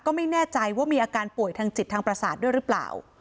ก็ไม่แน่ใจว่ามีอาการป่วยทางจิตทางประสาทด้วยหรือเปล่า